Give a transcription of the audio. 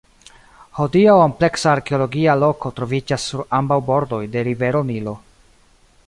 Hodiaŭ ampleksa arkeologia loko troviĝas sur ambaŭ bordoj de rivero Nilo.